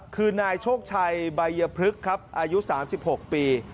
คือนายโชคชัยใบยพฤกษ์ครับอายุ๓๖ปี